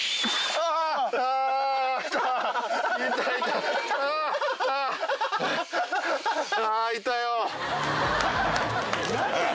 あいたよ。